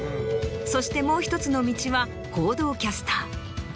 そしてもう１つの道は報道キャスター。